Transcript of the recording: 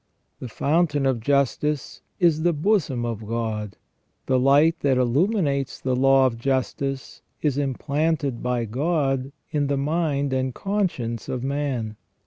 The fountain of justice is the bosom of God. The light that illuminates the law of justice is implanted by God in the mind and conscience of man.